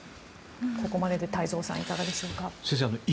ここまでで太蔵さんいかがでしょうか。